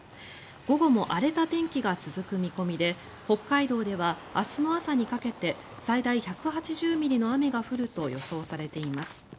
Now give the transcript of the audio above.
午後も荒れた天気が続く見込みで北海道では明日の朝にかけて最大１８０ミリの雨が降ると予想されています。